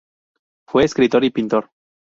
Fue escritor y pintor.